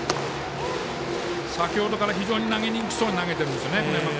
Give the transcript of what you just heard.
先ほどから非常に投げにくそうに投げてますね。